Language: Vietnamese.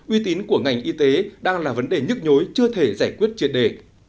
uy tín của ngành y tế đang là vấn đề nhức nhối chưa thể giải quyết triệt đề